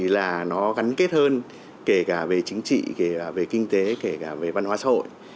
là nó gắn kết hơn kể cả về chính trị kể cả về kinh tế kể cả về văn hóa xã hội